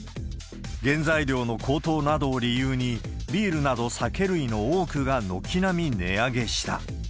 原材料の高騰などを理由に、ビールなど酒類の多くが軒並み値上げした。